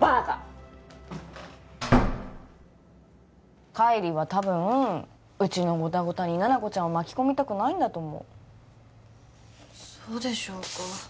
バーカ浬は多分うちのゴタゴタに七子ちゃんを巻き込みたくないんだと思うそうでしょうかうん